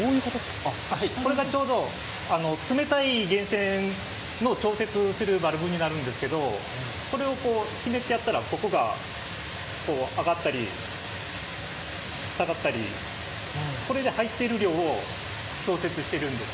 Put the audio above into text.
これがちょうど、冷たい源泉の調節するバルブになるんですけどこれをひねってやったらここが上がったり下がったり、これで入ってる量を調節してるんです。